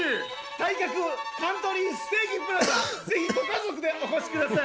体格カントリーステーキプラザ、ぜひご家族でお越しください。